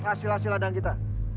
masih lanjut vnd masa